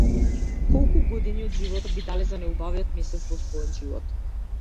Колку години од животот би дале за најубавиот месец во својот живот?